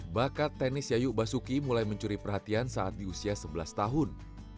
bakat tenis yayu basuki mulai mencuri perhatian saat di usia sebelas tahun